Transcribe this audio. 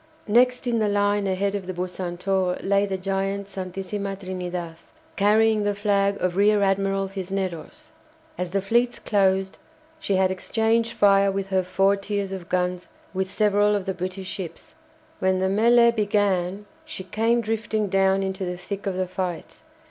Next in the line ahead of the "Bucentaure" lay the giant "Santisima Trinidad," carrying the flag of Rear Admiral Cisneros. As the fleets closed, she had exchanged fire with her four tiers of guns with several of the British ships. When the mêlée began she came drifting down into the thick of the fight.